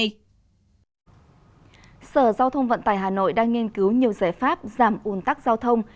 sở giao thông vận tải hà nội đang nghiên cứu nhiều giải pháp giảm ủn tắc giao thông